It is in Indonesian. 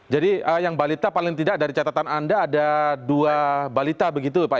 jadi yang balita paling tidak dari catatan anda ada dua balita begitu pak